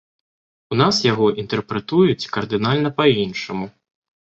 У нас яго інтэрпрэтуюць кардынальна па-іншаму.